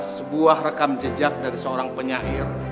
sebuah rekam jejak dari seorang penyair